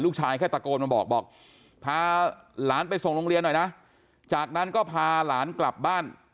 แค่ตะโกนมาบอกบอกพาหลานไปส่งโรงเรียนหน่อยนะจากนั้นก็พาหลานกลับบ้าน